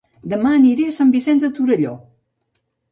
Dema aniré a Sant Vicenç de Torelló